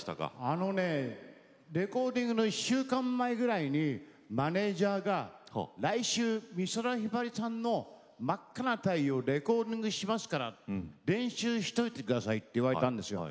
あのねレコーディングの１週間前ぐらいにマネージャーが「来週美空ひばりさんの『真赤な太陽』レコーディングしますから練習しといて下さい」って言われたんですよ。